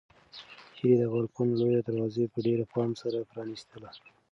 هیلې د بالکن لویه دروازه په ډېر پام سره پرانیستله.